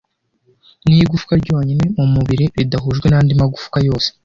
Ni igufwa ryonyine mu mubiri ridahujwe n'andi magufwa yose